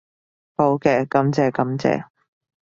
好嘅，感謝感謝